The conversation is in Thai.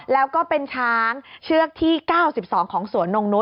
แล้วก็เป็นช้างเชือกที่๙๒ของสวนนงนุษ